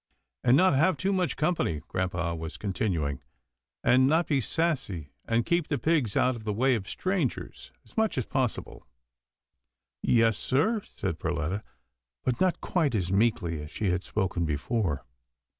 " And not have too much company," grampa was continuing, " and not be sassy, and keep the pigs out of the way of strangers as much as possible." " Yes, sir," said Perletta, but not quite as meekly as she had spoken before.